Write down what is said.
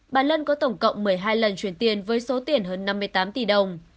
bà lân có tổng cộng một mươi hai lần chuyển tiền với số tiền hơn năm mươi tám tỷ đồng